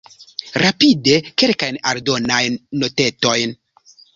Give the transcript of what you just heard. Rapide kelkajn aldonajn notetojn.